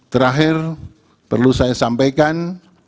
terakhir perlu saya sampaikan